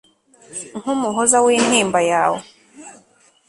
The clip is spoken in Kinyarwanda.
Nkumuhoza wintimba yawe